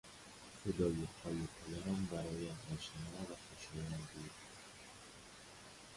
صدای پای پدرم برایم آشنا و خوشایند بود.